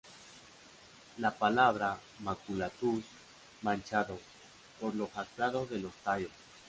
La palabra "maculatus" manchado, por lo jaspeado de los tallos.